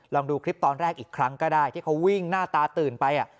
ลองดูคลิปตอนแรกอีกครั้งก็ได้ที่เขาวิ่งหน้าตาตื่นไป